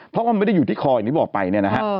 เพราะว่ามันไม่ได้อยู่ที่คออย่างที่บอกไปเนี่ยนะฮะ